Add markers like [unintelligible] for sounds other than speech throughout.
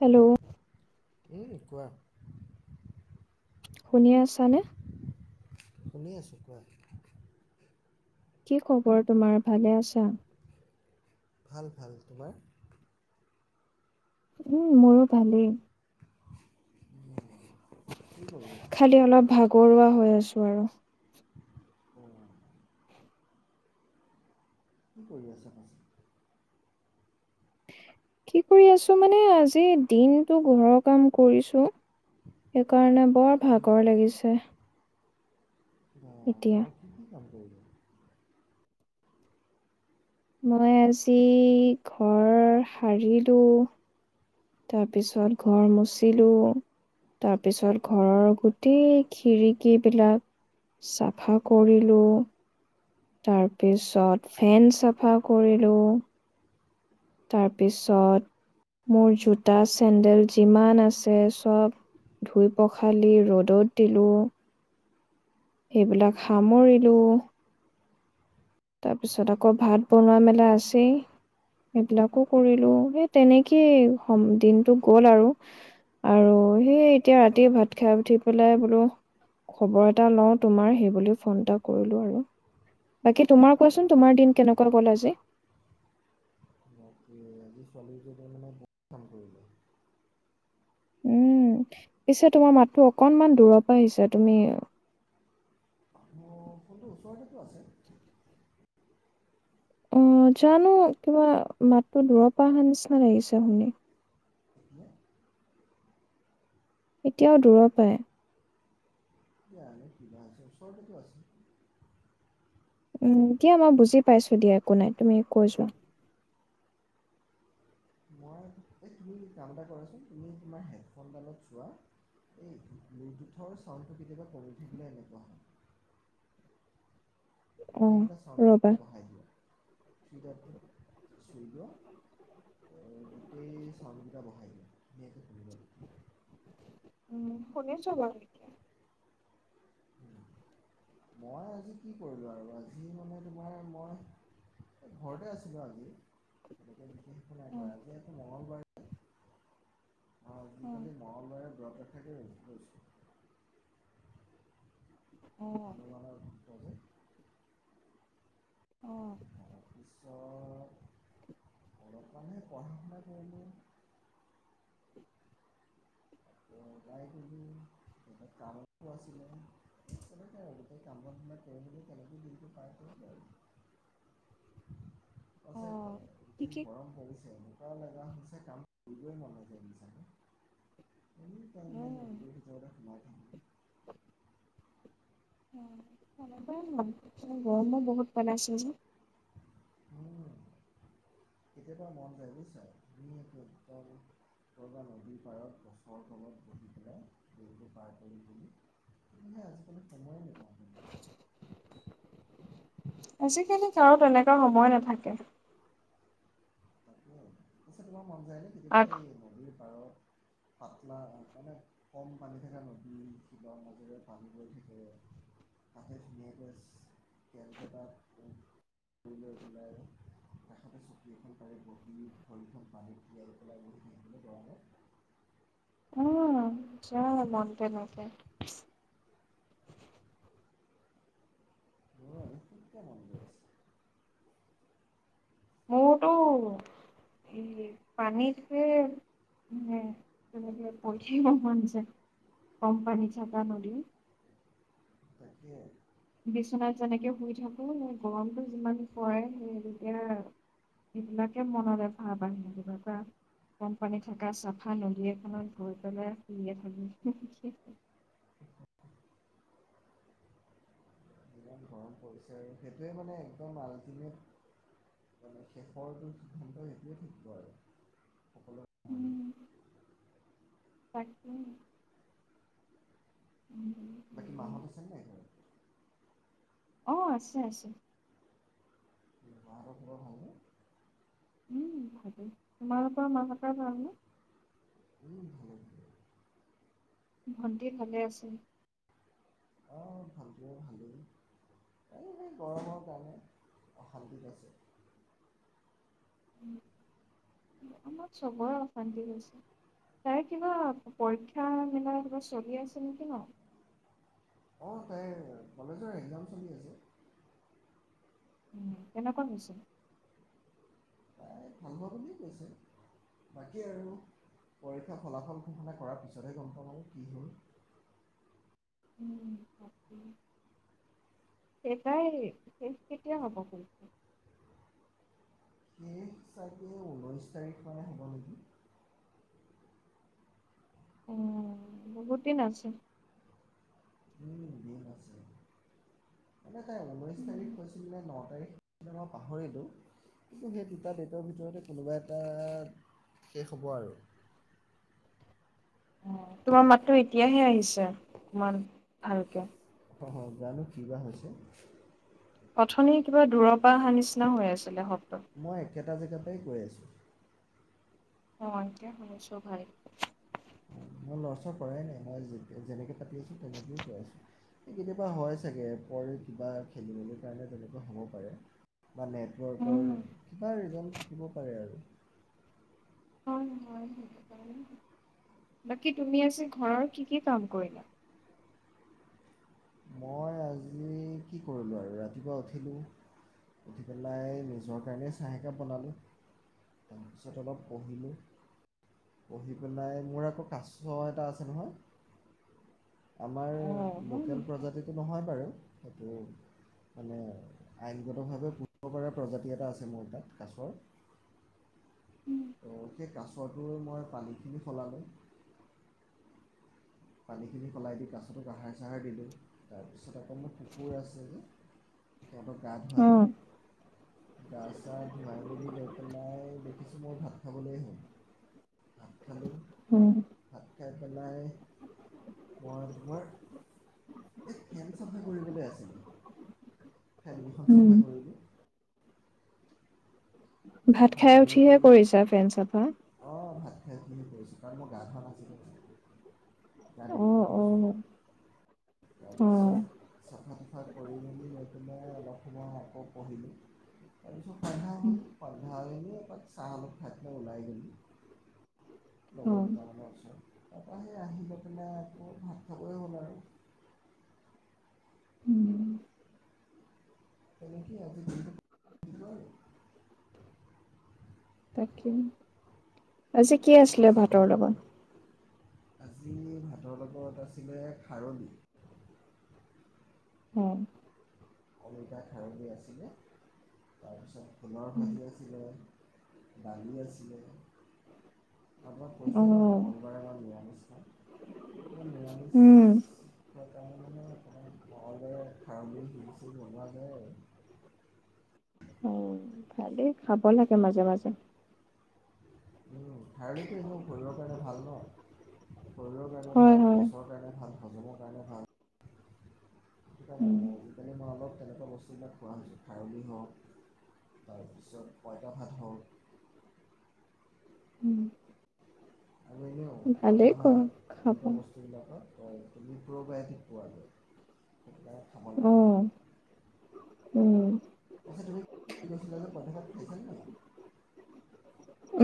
Hello এই নিকোৱা শুনি আছানে শুনি আছো কোৱা কি খবৰ তোমাৰ ভালে আছা ভাল ভাল তোমাৰ উম মোৰো ভালেই কি কৰি আছা? খালি অলপ ভাল কৰোৱা হৈ আছো আৰু কি কৰি আছ ম কি কৰি আছো মানে আজি দিনটো ঘৰৰ কাম কৰিছো সেইকাৰণে বৰ ভাগৰ লাগিছে এতিয়া। অ আক মই আজি ঘৰ সাৰিলো তাৰপিছত ঘৰ মুচিলো তাৰপিছত ঘৰৰ গোটেই খিৰিকী বিলাক চাফা কৰিলো তাৰ পিছত ফেন চাফা কৰিলোঁ তাৰপিছত মোৰ জোতা চেণ্ডেল যিমান আছে চব ধুই পখালি ৰ'দত দিলোঁ সেইবিলাক সামৰিলো তাৰপিছত আকৌ ভাত বনোৱা মেলা আছেই সেইবিলাকো কৰিলো সেই তেনেকেই দিনটো গল আৰু আৰু সেই এতিয়া ৰাতি ভাত খাই উঠি পেলাই বোলো খবৰ এটা লওঁ তোমাৰ সেই বুলি ফোন এটা কৰিলো আৰু বাকী তোমাৰ কোৱাচোন তোমাৰ বাপৰে দিন কেনেকুৱা গ'ল আজি বাপৰে আজি ছোৱালীজনীৰ মানে বহুত কাম কৰিলে উম পিছে তোমাৰ মাতটো অকনমান দূৰৰ পৰা আহিছে তুমি টো ওচৰতেতো আছে অ', জানো কিবা মাতটো দূৰৰ পৰা অহা নিচিনা লাগিছে শুনি। এতিয়া এতিয়াও দূৰৰ পায় জানো কিবা হৈছে ওচৰতেটো আছে। উম, এতিয়া মই বুজি পাইছোঁ, দিয়া একো নাই তুমি কৈ যোৱা। মই এই তুমি কাম এটা কৰাচোন তুমি তোমাৰ হেডফোনডালত চোৱা, এই ব্লুটুথৰ চাউণ্ডটো কেতিয়াবা কমি থাকিলে এনেকুৱা হয়। অ গোটেইকেইটা চাউণ্ড ৰবা বহায় দিয়া। [unintelligible] চুই লোৱা গোটেই চাউণ্ড কেইটা বহাই [unintelligible] উম, শুনিছোঁ বাৰু এতিয়া। মই আজি কি কৰিলোঁ আৰু আজি মানে তোমাৰ মই ঘৰতে আছিলোঁ আজি [unintelligible] নাই উম কৰা যিহেতু মঙগলবাৰ অ', উম আজিকালি মহালয় [unintelligible] অ হনুমানৰ ভক্ত যে অ'। অলপমানে পঢ়া শুনা কৰিলোঁ। [unintelligible] আছে তাই যি গৰম পৰিছে লগা হৈছে অ কাম ঠিকে কৰিবই মন নোযোৱা [unintelligible] উম [unintelligible] গৰম বহুত বনাইছিল যে উম, কেতিয়াবা মন যায় বুইছা, তুমি নদীৰ পাৰত গছৰ তলত, বহি পেলাই পাৰ কৰিম বুলি আজিকালি সময়ে নাপাওঁ। মানে আজিকালি কাৰো তেনেকা সময় নাথাকে। [unintelligible] মন যায় নে? কেতিয়াবা আগ এই নদীৰ পাৰত পাতলা মানে কম পানী থাকে নদী শিলৰ মাজেৰে পানী গৈ থাকে, তাকে ধুনীয়াকৈ [unintelligible] লৈ পেলাই কাষতে চকী এখন পাৰি বহি ভৰিখন পানীত তিয়াই পেলাই বহি থাকিব পৰা হয়। অহ, যায় মন তেনেকে। [unintelligible] মোৰতো এই পানীতে মানে তেনেকে বহি থাকিব মন যায়, কম পানী থাকা নদী। তাকে বিচনাত যেনেকে শুই থাকো গৰমটো যিমান পৰে সেই তেতিয়া সেইবিলাকে মনলৈ ভাৱ আহে কিবা কম পানী থাকা, চাফা নদী এখনত গৈ পেলাই শুয়ে থাকো কৰিছে আৰু সেইটোৱে মানে একদম আল্টিমেট মানে শেষৰটো সিদ্ধান্ত সেইটোৱে থাকিব আৰু। সকলো তাকেই বাকী মাহঁত হেৰি- আছে নে নাই ঘৰত? অ', আছে, আছে। মাহঁতৰ‌ ভাল নে? উম, ভালেই তোমাৰ পৰা মাহঁতৰ ভাল নে? ভালেই ভণ্টি ভালে আছে? অ', ভালটোৱে, ভালেই এই গৰমৰ কাৰণে অশান্তিত পাইছে। আমাৰ চবৰে অশান্তি হৈছে তাই কিবা পৰীক্ষা মেলা কিবা চলি আছে নেকি ন? অঁ তাই কলেজৰ এক্জাম চলি আছে উম কেনেকুৱা হৈছে প্ৰায় ভালবোৱা বুলিয় কৈছে বাকী আৰু পৰীক্ষা ফলাফল ঘোষণা কৰাৰ পিছতহে গম পামা কি হ'ল উম তাক সেইটাই শেষ কেতিয়া হব এই তাকে ঊলৈশ তাৰিখ মানে হ'ব নেকি উ বহুত দিন আছে উম বহুত আছে এনে তাই ঊনৈছ তাৰিখ কৰিল নে ন তাৰিখ মই পাহৰিলোঁ কিন্তু সেই দুটা ডেটৰ ভিতৰতে কোনোবা এটা শেষ হ'ব আৰু তোমাৰ মাততো এতিয়াহে আহিছে অকমান ভালকে হয় হয় জানো কি বা হৈছে অথনি কিবা দূৰৰ পৰা অহা নিচিনা হৈ আছিলে হ মই একেটা জেগাৰ পৰাই গৈ আছোঁ মই এতিয়া শভাই মই লৰচৰ কৰাই নাই মই যেনেকে থাকে তেনেকেই কৰাছো স কেতিয়াবা হয় চাগে পৰ কিবা খেলি মেলি কাৰণে তেনেকা হ'ব পাৰে বা নেটৱৰ্কৰ উম কিবা ৰিজন থা থাকিব পাৰে আৰু বাকী তুমি আজ ঘৰৰ কি কি কাম কৰিলা মই আজি কি কৰিলোঁ আৰু ৰাতিপুৱা উঠিলোঁ উঠি পেলাই নিজৰ কাৰণে চাহ এক একাপ বনালোঁ তাৰপিছত অলপ পঢ়িলোঁ পঢ়ি পেলাই মোৰ আকৌ কাছ এটা আছে নহয় আমাৰ অ হয় লোকেল নেকি প্ৰজাতিটো নহয় বাৰু এইেইটো মানে আইনগতভাৱে পুহিব পৰা প্ৰজাতি এটা আছে মোৰ তাত কাছৰ ত' সেই কাছটো মই পানীখিনি সলালোঁ পানীখিনি সলাই দি কাছতো কহাৰ চাহাৰ দিলোঁ তাৰপিছত আকৌ মোৰ কুকুৰ আছে যে সিহঁতক গা অ ধোৱালোঁ গা চা ধুৱাই মেলি গৈ পেলাই দেখিছোঁ মই ভাত খাবলৈ হ'ওঁ খালো অ হয় খাই পেলাই মই তোমাৰ এই ফেন চাফা কৰিবলৈ আছিলোঁ ফেনখন উম চাফা কৰিলোঁ ভাত চাফা খাই কৰি উঠিহে কৰিছা ফেন চাফা খেতি কৰিছোঁ কাৰণ মই গা ধোৱা নাছিলোঁ তাৰি অ অ বীজ অ তাৰপিছত চাফা তাফা কৰি মেলি মৈ পনোই অলপ সময় আকৌ পঢ়িলো তাৰপিছত ৰন্ধা হ'ল সন্ধিয়াপৰত চাহা অলপ খাই ওলাই গোলো অ লগৰ দুটামানৰ ওচৰত তাৰপৰা সেই আহি লৈ পেলাই আকৌ ভাত খাবই হ'ল আৰু উম তেনেক আজি তাকে আজি কি তাতে আছিলে চাকৰি ভাতৰ বাকৰি লগত আজি ভাতৰ লগত আছিলে খাৰলি অ অমিতা খাৰলি আছিলে, তাৰপিছত ভোলৰ ভাজি আছিলে, দালি আছিলে। [unintelligible] অ খবাৰ এবাৰ নিৰা নিশা। উম। তাৰ মানে অকণমান ঘৰৰে খাৰ বুলি শছে [unintelligible] দেই খাব লাগে, মাজ, মাজে। ঠাইলৈকে সেও শৰীৰৰ কাৰণে ভাল ন' শৰীৰৰ কাৰণে হয়, ভাল, হয়, গেছৰ কাৰণে ভাল, হজমৰ কাৰণে ভাল। সেইকাৰণে উম, মানে আজিকালি মই অলপ তেনেকুৱা বস্তুবিলাক খোৱা হৈছোঁ খাৰলি হওঁক তাৰপিছত পঁইতা ভাত হওঁক। উম, আমি এনেও পইতা ভালেই শাক কৰা খাব। এনেকুৱা বস্তুবিলাকত প্ৰ'বায়টিক পোৱা যায়। সেইটো কাৰণে খাব লাগে অহ। উম। আছে তুমি গচিলা যে পঠখাত পাইচিলা নি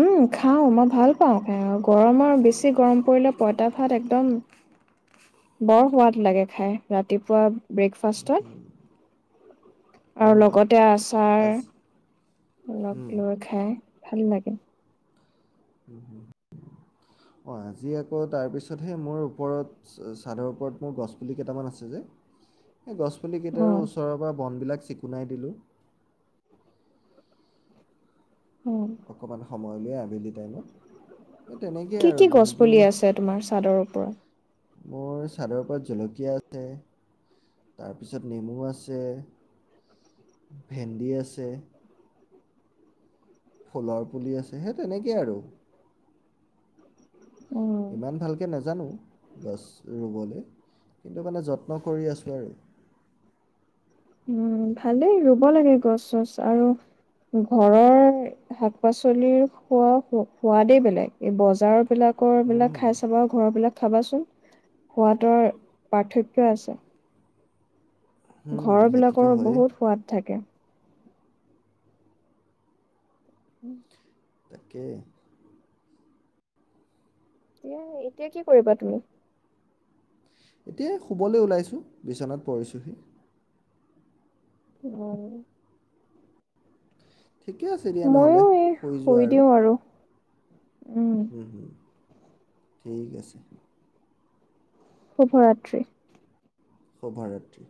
উম, খাওঁ মই ভাল, পাওঁ খ গৰম আৰু বেছি গৰম পৰিলে পঁইতা ভাত একদম বৰ সোৱাদ লাগে খাই ৰাতিপুৱা ব্ৰেকফাষ্টত আৰু উম, লগতে আচাৰ আজি উম, অলপ লৈ খাই ভাল লাগে। অ', আজি আকৌ তাৰপিছতহে মোৰ ওপৰত চাদৰ ওপৰত মোৰ গছপুলি কেইটামান আছে যে সেই গছপুলি কেইটাৰো অ', ওচৰৰ পৰা বনবিলাক চিকুণাই দিলোঁ। অ'। অকমান স সময়লৈ আবেলি টাইমত। এই তেনেকেই কি, আৰু কি গছ দিনটো পুলি আছে তোমাৰ চাদৰ ওপৰত? মোৰ চাদৰ ওপৰত জলকীয়া আছে, তাৰপিছত নেমু আছে, ভেন্দি আছে। ফুলৰ পুলি আছে সেই তেনেকেই আৰু। উম, ইমান ভালকে নাজানো গছ ৰুবলে। কিন্তু মানে যত্ন কৰি আছোঁ আৰু। উম, ভালেই ৰুব লাগে গছ, চছ আৰু ঘৰৰ শাক পাচলিৰ খোৱা সো, সোৱাদেই বেলেগ এই বজাৰৰ বিলাক ক'বিলাক উম। খাই চাবা আৰু ঘৰ বিলাক খাবাচোন সোৱাদৰ পাৰ্থক্য আছে। উম, ঘৰৰ সেইটোতো বিলাকৰ হয়েই বহুত সোৱাদ থাকে। উম। তাকে। এ, এতিয়া কি কৰিবা তুমি? এতিয়াই শুবলৈ ওলাইছোঁ, বিচনাত পৰিছোহি। উম। ঠিকে আছে দিয়া নহ'লে ময়ো এই শুই যোৱা আৰু দিওঁ উম হোম হোম ঠিক আছে শুভৰাত্ৰি শুভৰাত্ৰি